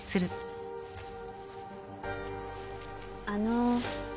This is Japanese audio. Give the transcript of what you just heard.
あの。